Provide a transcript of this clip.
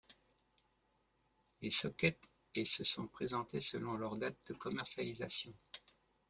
Les sockets et sont présentés selon leur date de commercialisation.